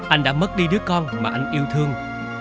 anh đã mất đi đứa con mà anh yêu thương